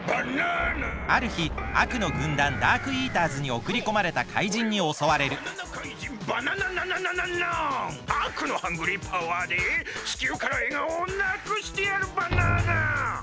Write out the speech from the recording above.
あるひあくのぐんだんダークイーターズにおくりこまれた怪人におそわれるあくのハングリーパワーで地球からえがおをなくしてやるバナナ！